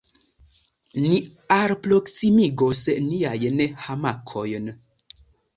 Ni alproksimigos niajn hamakojn.